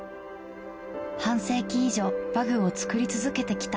半世紀以上馬具を作り続けてきた